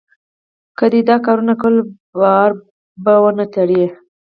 که دې دا کارونه کول؛ بار به و نه تړې.